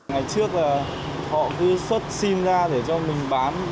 ngày trước là họ cứ xuất sim ra để cho mình bán